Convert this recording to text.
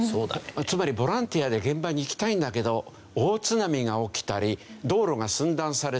つまりボランティアで現場に行きたいんだけど大津波が起きたり道路が寸断されている。